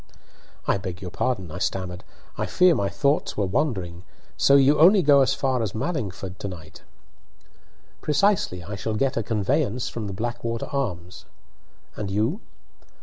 "I beg your pardon," I stammered. "I fear my thoughts were wandering. So you only go as far as Mallingford to night?" "Precisely. I shall get a conveyance from the 'Blackwater Arms.' And you?"